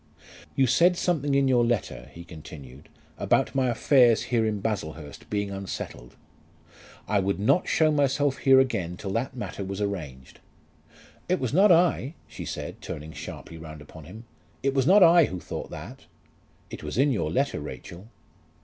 "You said something in your letter," he continued, "about my affairs here in Baslehurst being unsettled. I would not show myself here again till that matter was arranged." "It was not I," she said, turning sharply round upon him. "It was not I who thought that." "It was in your letter, Rachel."